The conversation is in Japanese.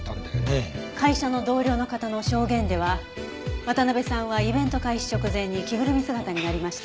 会社の同僚の方の証言では渡辺さんはイベント開始直前に着ぐるみ姿になりました。